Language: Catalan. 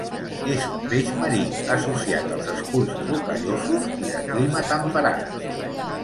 És un peix marí, associat als esculls rocallosos i de clima temperat.